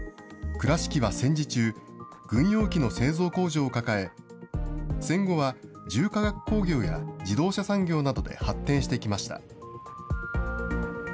倉敷は戦時中、軍用機の製造工場を抱え、戦後は重化学工業や自動車産業などで発展してきました。